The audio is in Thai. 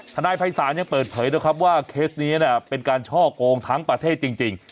นายภัยศาลยังเปิดเผยนะครับว่าเคสนี้เป็นการช่อกงทั้งประเทศจริง